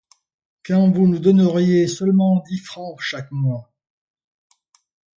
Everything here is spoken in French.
Quand vous nous donneriez seulement dix francs chaque mois.